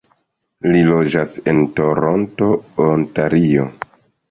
Li loĝas en Toronto, Ontario.